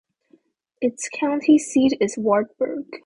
Its county seat is Wartburg.